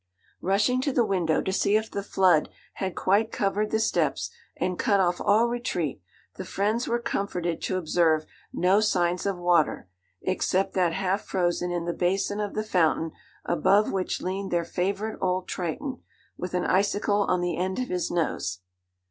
Rushing to the window to see if the flood had quite covered the steps, and cut off all retreat, the friends were comforted to observe no signs of water, except that half frozen in the basin of the fountain above which leaned their favourite old Triton, with an icicle on the end of his nose.